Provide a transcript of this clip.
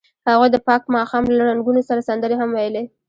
هغوی د پاک ماښام له رنګونو سره سندرې هم ویلې.